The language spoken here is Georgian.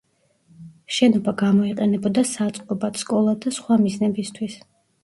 შენობა გამოიყენებოდა საწყობად, სკოლად და სხვა მიზნებისთვის.